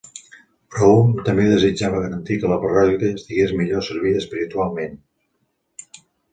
Browne també desitjava garantir que la parròquia estigués millor servida espiritualment.